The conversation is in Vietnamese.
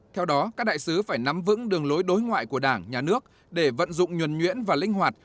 theo đó các đại sứ phải nắm vững đường lối đối ngoại của đảng nhà nước để vận dụng nhuẩn nhuyễn và linh hoạt